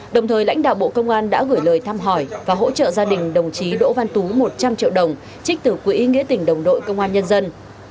đồng thời lãnh đạo bộ công an đã gửi lời thăm hỏi và hỗ trợ gia đình đồng chí đỗ văn tú một trăm linh triệu đồng trích từ quỹ nghĩa tỉnh đồng đội công an nhân dân